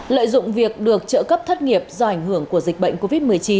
lợi dụng việc được trợ cấp thất nghiệp do ảnh hưởng của dịch bệnh covid một mươi chín